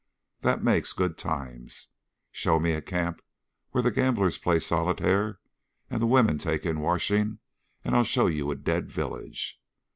That makes good times. Show me a camp where the gamblers play solitaire and the women take in washing and I'll show you a dead village.